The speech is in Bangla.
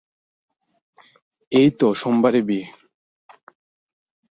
এই তো সোমবারে বিয়ে!